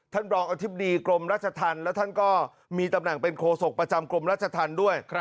รองอธิบดีกรมราชธรรมและท่านก็มีตำแหน่งเป็นโคศกประจำกรมราชธรรมด้วย